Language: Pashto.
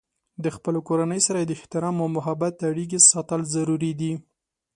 د خپلې کورنۍ سره د احترام او محبت اړیکې ساتل ضروري دي.